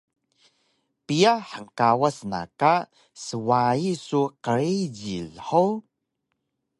Piya hngkawas na ka swayi su qrijil hug?